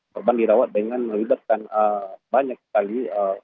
korban dirawat dengan melibatkan banyak sekali